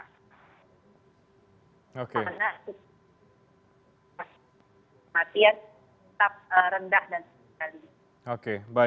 pengenlah asisten kematian tetap rendah dan sedikit lagi